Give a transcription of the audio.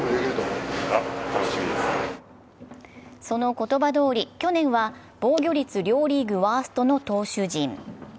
その言葉どおり、去年は防御率両リーグワーストの投手陣。